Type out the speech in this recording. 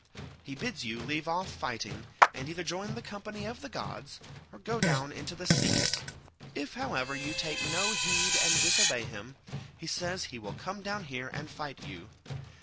He bids you leave off fighting, and either join the company of the gods or go down into the sea; if, however, you take no heed and disobey him, he says he will come down here and fight you.